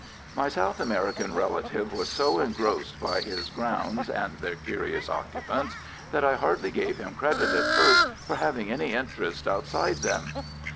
My South American relative was so engrossed by his grounds and their curious occupants, that I hardly gave him credit at first for having any interests outside them.